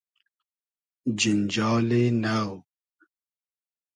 جینجالی نۆ